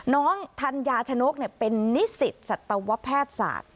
ธัญญาชนกเป็นนิสิตสัตวแพทย์ศาสตร์